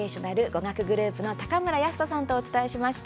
語学グループの高村泰斗さんとお伝えしました。